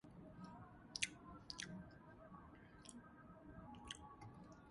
Hi, this is an Artificial Voice speaking. How may I help you?